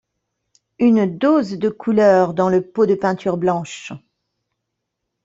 une dose de couleur dans le pot de peinture blanche